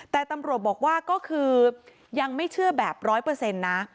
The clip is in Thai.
แต่ตำรวจบอกว่าก็คือยังไม่เชื่อแบบ๑๐๐นะ